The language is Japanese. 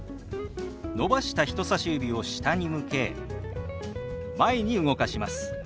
伸ばした人さし指を下に向け前に動かします。